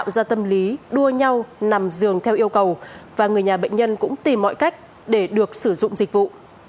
gia tâm lý đua nhau nằm dường theo yêu cầu và người nhà bệnh nhân cũng tìm mọi cách để được sử dụng dịch vụ